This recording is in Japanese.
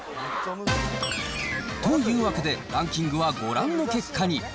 というわけで、ランキングはご覧の結果に。